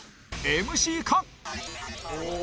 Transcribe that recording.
ＭＣ か？